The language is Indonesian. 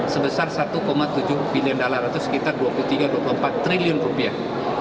sebesar satu tujuh bilion dollar atau sekitar dua puluh tiga dua puluh empat triliun rupiah